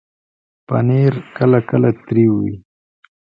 پنېر کله کله تریو وي.